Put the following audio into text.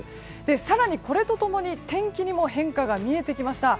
更に、これと共に天気にも変化が見えてきました。